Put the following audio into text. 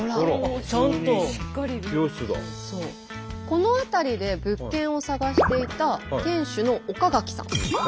この辺りで物件を探していた店主の岡垣さん。